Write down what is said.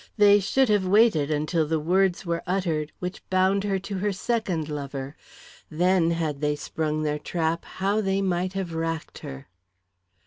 They should have waited until the words were uttered which bound her to her second lover then, had they sprung their trap, how they might have racked her!